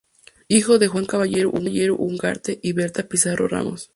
Hijo de Juan Cabello Ugarte y Berta Pizarro Ramos.